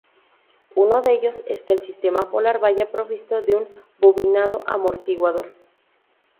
Uno de ellos es que el sistema polar vaya provisto de un bobinado amortiguador.